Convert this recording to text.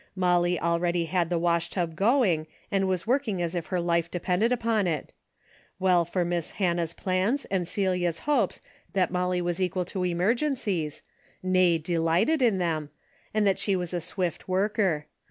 Molly already had the washtub going and was working as if her life depended upon it. Well for Miss Hannah's plans and Celia's hopes that Molly Avas equal '.4 DAILY rate:'' 143 to emergencies, nay delighted in them, and that she was a swift worker.